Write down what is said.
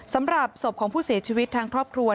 สำหรับศพของผู้เสียชีวิตทางครอบครัว